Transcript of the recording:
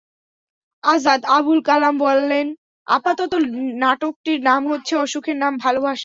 আজাদ আবুল কালাম বললেন, আপাতত নাটকটির নাম হচ্ছে অসুখের নাম ভালোবাসা।